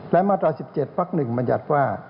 และมาตรศิษย์๑๗ปัก๑บัญญัติว่า